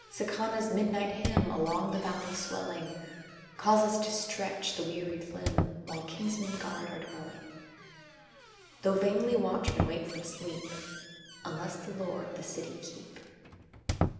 Sicána's midnight hymn, Along the valley swelling, Calls us to stretch the wearied limb, While kinsmen guard our dwelling: Though vainly watchmen wake from sleep, "Unless the Lord the city keep."